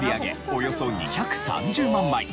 およそ２３０万枚。